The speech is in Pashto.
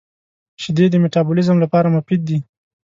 • شیدې د مټابولیزم لپاره مفید دي.